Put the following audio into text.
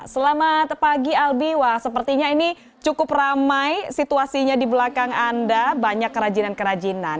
selamat pagi albi wah sepertinya ini cukup ramai situasinya di belakang anda banyak kerajinan kerajinan